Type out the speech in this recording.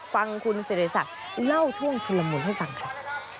ฟังคุณสิริสักเล่าช่วงชุดละมุนให้ฟังครับ